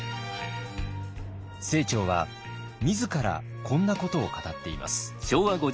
清張は自らこんなことを語っています。